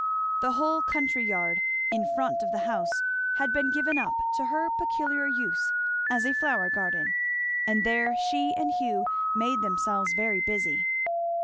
The whole courtyard in front of the house had been given up to her peculiar use as a flower garden, and there she and Hugh made themselves very busy.